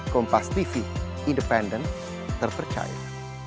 kompas tv independen terpercaya